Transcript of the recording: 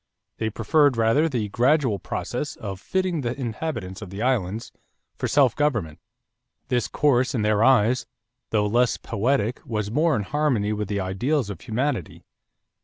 They preferred rather the gradual process of fitting the inhabitants of the islands for self government. This course, in their eyes, though less poetic, was more in harmony with the ideals of humanity.